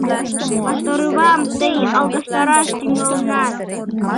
Ваштаровам тый алгаштараш тӱҥалынат!